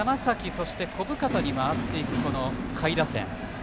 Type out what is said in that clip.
そして、小深田に回っていく下位打線。